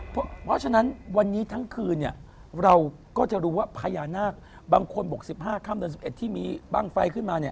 เพราะฉะนั้นวันนี้ทั้งคืนเนี่ยเราก็จะรู้ว่าพญานาคบางคนบอก๑๕ค่ำเดือน๑๑ที่มีบ้างไฟขึ้นมาเนี่ย